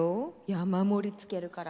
山盛りつけるから。